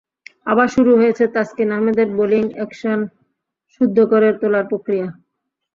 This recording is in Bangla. আবার শুরু হয়েছে তাসকিন আহমেদের বোলিং অ্যাকশন শুদ্ধ করে তোলার প্রক্রিয়া।